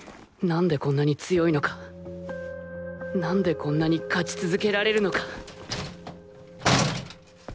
何でこんなに強いのか何でこんなに勝ち続けられるのか